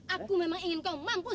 aku memang ingin kau mampu